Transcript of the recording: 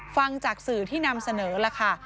ฟังจากสื่อที่นำเสนอล่ะค่ะ